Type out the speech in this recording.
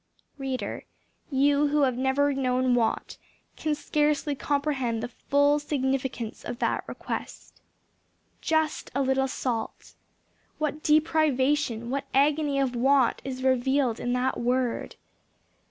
Reader, you, who have never known want, can scarcely comprehend the full significance of that request. "Just a little salt!" What deprivation, what agony of want is revealed in that word!